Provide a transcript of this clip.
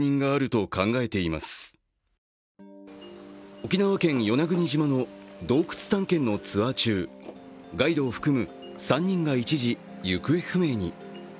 沖縄県与那国島の洞窟探検のツアー中、ガイドを含む３人が一時、行方不明に。